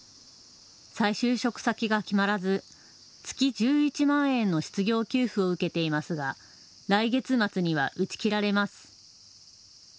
再就職先が決まらず月１１万円の失業給付を受けていますが来月末には打ち切られます。